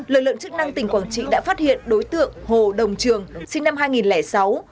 lực lượng chức năng tỉnh quảng trị đã phát hiện đối tượng hồ đồng trường sinh năm hai nghìn sáu